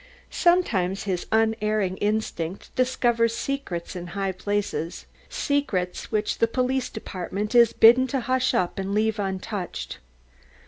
Sometimes his unerring instinct discovers secrets in high places, secrets which the Police Department is bidden to hush up and leave untouched.